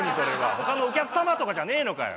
ほかのお客様とかじゃねえのかよ。